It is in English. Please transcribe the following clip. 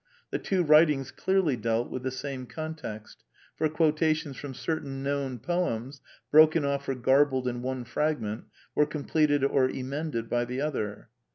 The two writings clearly dealt with the same context; for quotations from certain known poems, broken off or garbled in one fragment, were completed or emended by the other.